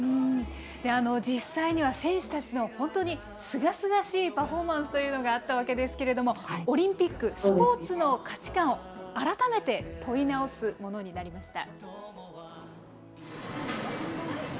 実際には選手たちの本当にすがすがしいパフォーマンスというのがあったわけですけれども、オリンピック、スポーツの価値観を、改めて問い直すものになりました。